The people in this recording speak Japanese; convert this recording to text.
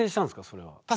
それは。